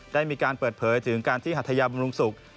ได้มีการเปิดเผยถึงการที่หัทยาบำรุงศุกร์